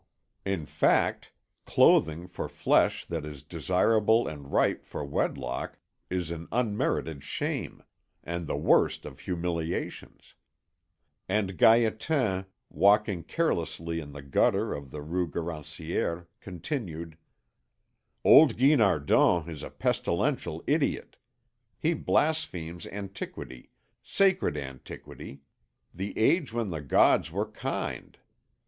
In fact, clothing for flesh that is desirable and ripe for wedlock is an unmerited shame, and the worst of humiliations"; and Gaétan, walking carelessly in the gutter of the Rue Garancière, continued: "Old Guinardon is a pestilential idiot. He blasphemes Antiquity, sacred Antiquity, the age when the gods were kind.